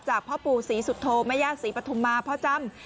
จากพ่อปู่ศรีสุธโธมะยะศรีปฐมมาพ่อจำ